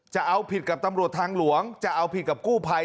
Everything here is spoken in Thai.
จะเอาผิดกับตำรวจทางหลวงจะเอาผิดกับกู้ภัย